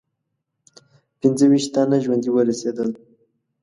پنځه ویشت تنه ژوندي ورسېدل.